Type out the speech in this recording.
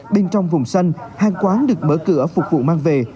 bên trong vùng xanh hàng quán được mở cửa phục vụ mang về